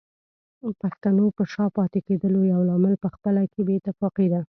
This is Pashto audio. پښتنو په شا پاتې کېدلو يو لامل پخپله کې بې اتفاقي ده